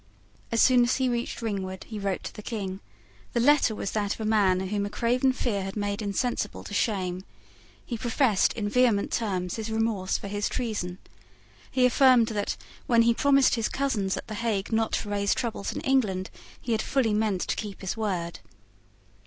As soon as he reached Ringwood he wrote to the King. The letter was that of a man whom a craven fear had made insensible to shame. He professed in vehement terms his remorse for his treason. He affirmed that, when he promised his cousins at the Hague not to raise troubles in England, he had fully meant to keep his word.